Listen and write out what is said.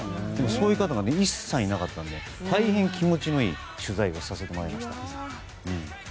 そういう方が一切いなくて大変気持ちのいい取材をさせてもらいました。